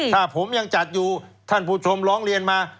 ถ้าผมยังจัดอยู่ท่านผู้ชมร้องเรียนมา